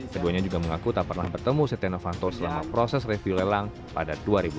keduanya juga mengaku tak pernah bertemu setia novanto selama proses review lelang pada dua ribu enam belas